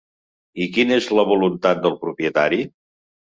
I quina és la voluntat del propietari?